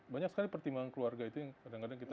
banyak sekali pertimbangan keluarga itu yang kadang kadang kita